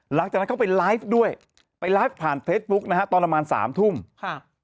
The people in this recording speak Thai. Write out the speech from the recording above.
หลังจากนั้นเขาไปไลฟ์ด้วยไปไลฟ์ผ่านเฟซบุ๊กนะฮะตอนประมาณสามทุ่มค่ะ